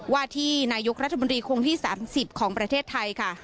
ว่าที่นายกรัฐมนตรีคงที่๓๐ของประเทศไทยค่ะ